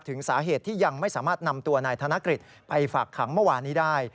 ถึงสาเหตุที่ยังไม่สามารถนำตัวนายธนกฤษไปฝากขังเมื่อวานนี้ได้